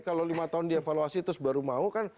kalau lima tahun dievaluasi terus baru mau kan